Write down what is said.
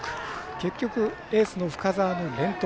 結局、エースの深沢の連投。